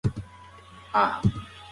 دا د ځان ډاډ او استقلال نښه وه.